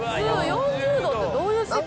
４０度ってどういう世界？